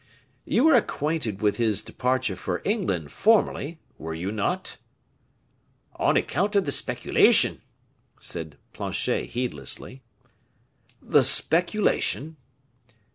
"You were acquainted with his departure for England formerly, were you not?" "On account of the speculation." said Planchet, heedlessly. "The speculation!"